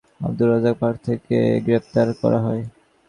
গতকাল মঙ্গলবার দুপুরে শহরের আব্দুর রাজ্জাক পার্ক থেকে তাঁকে গ্রেপ্তার করা হয়।